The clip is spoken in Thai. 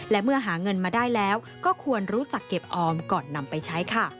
และเมื่อหาเงินมาได้แล้วก็ควรรู้จักเก็บออมก่อนนำไปใช้ค่ะ